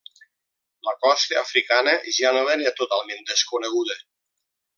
La costa africana ja no era totalment desconeguda.